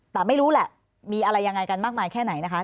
แต่ไม่รู้แหละมีอะไรยังไงกันมากมายแค่ไหนนะคะ